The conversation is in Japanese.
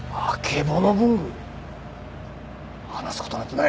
話すことなんてない。